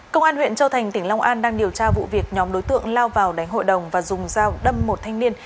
công an huyện châu thành tỉnh long an đang điều tra vụ việc nhóm đối tượng lao vào đánh hội đồng và dùng dao đâm một thanh niên